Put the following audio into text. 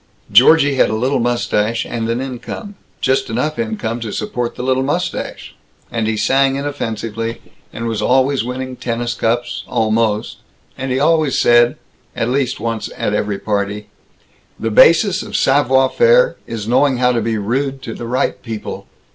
Georgie had a little mustache and an income, just enough income to support the little mustache, and he sang inoffensively, and was always winning tennis cups almost and he always said, at least once at every party, "The basis of savoir faire is knowing how to be rude to the right people."